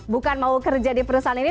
bukan mau kerja di perusahaan ini